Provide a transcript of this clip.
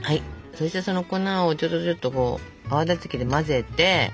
そしてその粉をちょちょちょっとこう泡立て器で混ぜて。